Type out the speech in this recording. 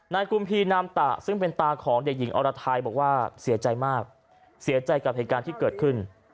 กุมพีนามตะซึ่งเป็นตาของเด็กหญิงอรไทยบอกว่าเสียใจมากเสียใจกับเหตุการณ์ที่เกิดขึ้น